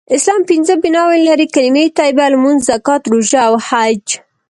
اسلام پنځه بناوې لری : کلمه طیبه ، لمونځ ، زکات ، روژه او حج